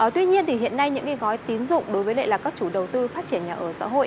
tuy nhiên thì hiện nay những gói tín dụng đối với các chủ đầu tư phát triển nhà ở xã hội